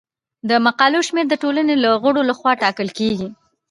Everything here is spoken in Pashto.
د مقالو شمیر د ټولنې د غړو لخوا ټاکل کیږي.